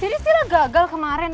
jadi silah gagal kemarin